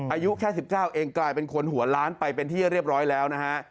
อายุแค่๑๙เองกลายเป็นคนหัวล้านไปเป็นที่เรียบร้อยแล้วนะฮะ